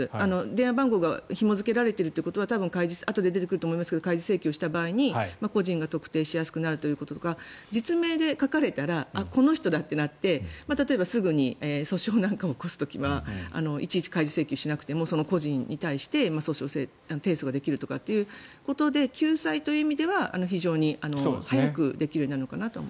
電話番号がひも付けられているということはあとで出てくると思いますが開示請求した場合に個人が特定しやすくなるとか実名で書かれたらこの人だとなって例えばすぐに訴訟なんかを起こす時いちいち開示請求しなくても個人に対して訴訟、提訴ができるということで救済という意味では非常に早くできるようになるのかなと。